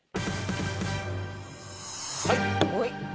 はい。